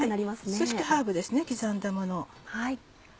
そしてハーブです刻んだもの。